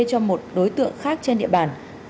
cho một đối tượng khác trên địa bàn